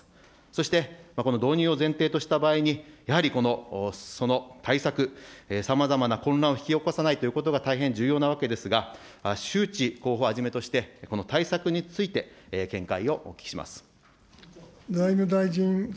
そして、この導入を前提とした場合に、やはりその対策、さまざまな混乱を引き起こさないということが大変重要なわけですが、周知、広報をはじめとしてこの対策について、見解をお聞きします。